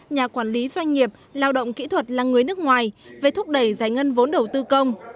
nhà quản lý doanh nghiệp lao động kỹ thuật là người nước ngoài về thúc đẩy giải ngân vốn đầu tư công